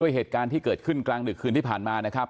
เหตุการณ์ที่เกิดขึ้นกลางดึกคืนที่ผ่านมานะครับ